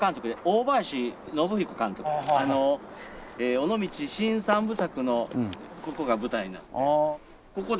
尾道新三部作のここが舞台なので。